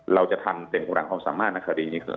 เราจะทำเต็มกำลังความสามารถในคดีนี้คือ